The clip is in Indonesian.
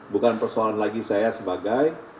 bukan persoalan lagi saya sebagai